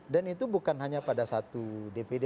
dan itu bukan hanya pada satu dpd